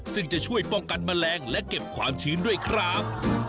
ซึ่งจะช่วยป้องกันแมลงและเก็บความชื้นด้วยครับ